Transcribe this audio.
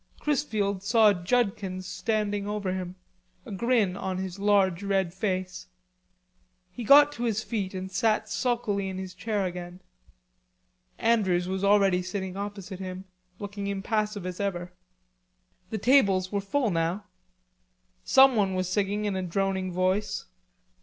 Chrisfield saw Judkins standing over him, a grin on his large red face. He got to his feet and sat sulkily in his chair again. Andrews was already sitting opposite him, looking impassive as ever. The tables were full now. Someone was singing in a droning voice.